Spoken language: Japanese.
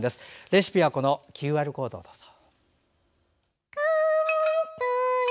レシピはＱＲコードからどうぞ。